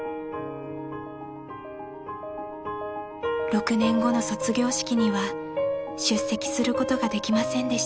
［６年後の卒業式には出席することができませんでした］